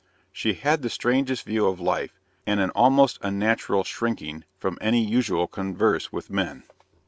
She had the strangest views of life and an almost unnatural shrinking from any usual converse with men.